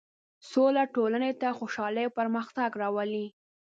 سوله ټولنې ته خوشحالي او پرمختګ راولي.